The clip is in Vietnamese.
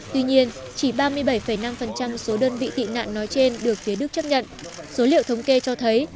tuy nhiên chỉ ba mươi bảy năm số đơn vị tị nạn nói trên được phía đức chấp nhận số liệu thống kê cho thấy